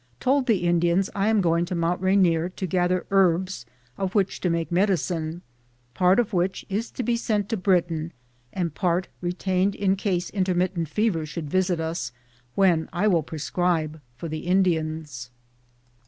Told the Indians I am going to Mt. Rainier to gather herbs of which to make medicine, part of which is to be sent to Britian and part retained in case intermittent fever should visit us when I will prescribe for the Indians.